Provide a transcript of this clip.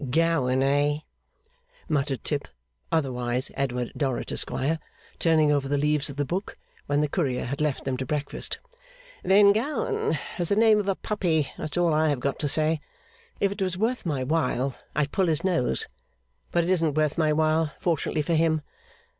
'Gowan, eh?' muttered Tip, otherwise Edward Dorrit, Esquire, turning over the leaves of the book, when the courier had left them to breakfast. 'Then Gowan is the name of a puppy, that's all I have got to say! If it was worth my while, I'd pull his nose. But it isn't worth my while fortunately for him.